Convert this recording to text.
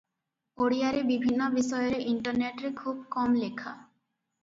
ଓଡ଼ିଆରେ ବିଭିନ୍ନ ବିଷୟରେ ଇଣ୍ଟରନେଟରେ ଖୁବ କମ ଲେଖା ।